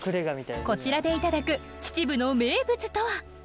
こちらでいただく秩父の名物とは。